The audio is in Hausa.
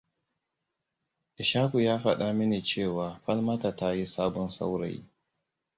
Ishaku ya fada mini cewa Falmata ta yi sabon saurayi.